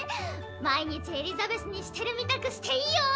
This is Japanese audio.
毎日エリザベスにしてるみたくしていいよ！